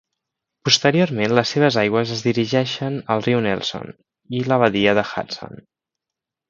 Posteriorment les seves aigües es dirigeixen al riu Nelson i la Badia de Hudson.